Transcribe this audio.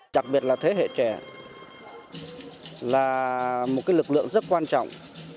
đặc biệt là thế hệ trẻ là một lực lượng rất quan trọng